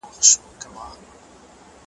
زما شهپرونه خدای قفس ته پیدا کړي نه دي `